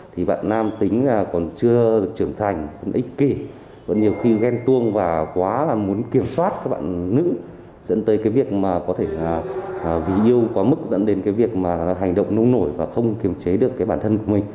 thì bạn nam tính là còn chưa được trưởng thành ích kỷ còn nhiều khi ghen tuông và quá là muốn kiểm soát các bạn nữ dẫn tới cái việc mà có thể vì yêu quá mức dẫn đến cái việc mà hành động nông nổi và không kiềm chế được cái bản thân của mình